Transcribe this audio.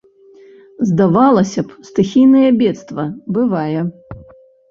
Здавалася б, стыхійнае бедства, бывае.